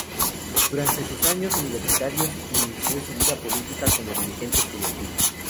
Durante sus años universitarios inició su vida política como dirigente estudiantil.